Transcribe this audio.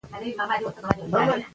بوخت خلک سالم فکر او مثبت چلند لري.